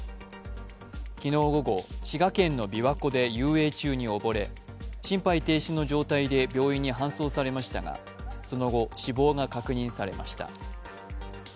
昨日午後、滋賀県の琵琶湖で遊泳中に溺れ、心肺停止の状態で病院に搬送されましたが、その後、死亡が確認されました。